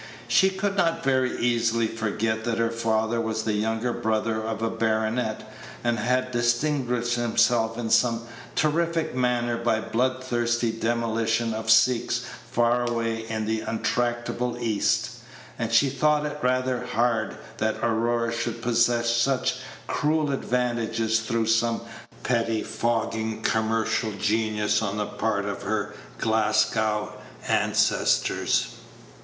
She could not very easily forget that her father was the younger brother of a baronet, and had distinguished himself in some terrific manner by blood thirsty demolition of Sikhs far away in the untractable East, and she thought it rather hard that Aurora should possess such cruel advantages through some pettifogging commercial genius on the part of her Glasgow ancestors.